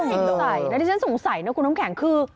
สงสัยแล้วที่ฉันสงสัยนะคุณน้ำไข่ค์คือ